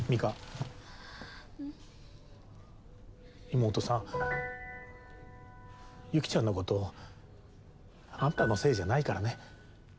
妹さん有紀ちゃんのことあんたのせいじゃないからね。